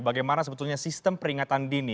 bagaimana sebetulnya sistem peringatan dini